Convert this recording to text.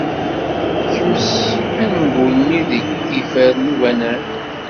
Kmes angul-nni deg yifer n ubanan.